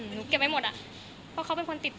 หนูเก็บไว้หมดอ่ะเพราะเขาเป็นคนติดต่อ